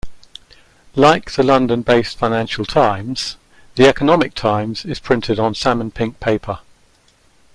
Like the London-based "Financial Times", "The Economic Times" is printed on salmon pink paper.